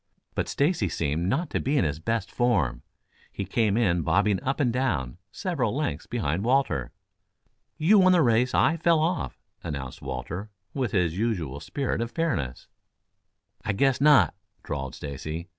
But Stacy seemed not to be in his best form. He came in bobbing up and down, several lengths behind Walter. "You won the race. I fell off," announced Walter, with his usual spirit of fairness. "I guess not," drawled Stacy.